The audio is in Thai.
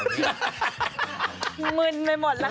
มึนไปหมดแล้วครับพระการ